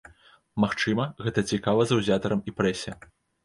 Магчыма, гэта цікава заўзятарам і прэсе.